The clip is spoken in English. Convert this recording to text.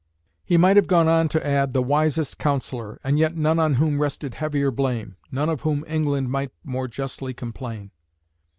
_" He might have gone on to add, "the Wisest Counsellor; and yet none on whom rested heavier blame; none of whom England might more justly complain."